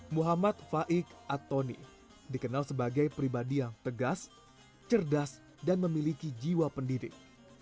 muhammad faik atoni dikenal sebagai pribadi yang tegas cerdas dan memiliki jiwa pendidik